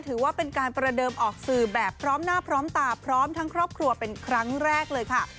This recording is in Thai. ถือว่าเป็นการประเดิมออกสื่อแบบพร้อมหน้าพร้อมตาพร้อมทั้งครอบครัวเป็นครั้งแรกเลยค่ะ